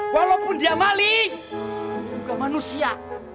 walaupun dia maling dia juga manusia